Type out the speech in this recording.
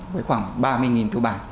với khoảng ba mươi tiêu bản